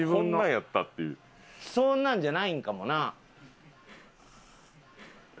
そんなんじゃないんかもな。